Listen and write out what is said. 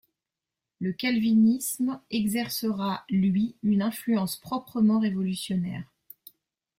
Le calvinisme exercera, lui, une influence proprement révolutionnaire.